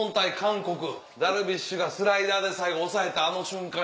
ダルビッシュがスライダーで最後抑えたあの瞬間や。